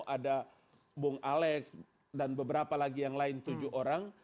ada bung alex dan beberapa lagi yang lain tujuh orang